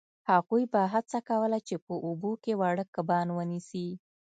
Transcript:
هغوی به هڅه کوله چې په اوبو کې واړه کبان ونیسي